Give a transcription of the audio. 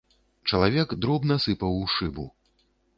Чалавек дробна сыпаў у шыбу.